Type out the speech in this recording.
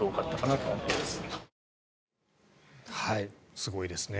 すごいですね。